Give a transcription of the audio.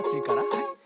はい。